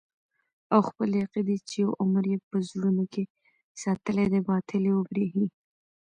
او خپلې عقيدې چې يو عمر يې په زړونو کښې ساتلې دي باطلې وبريښي.